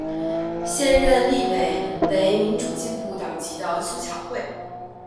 现任立委为民主进步党籍的苏巧慧。